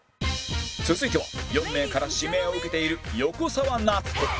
続いては４名から指名を受けている横澤夏子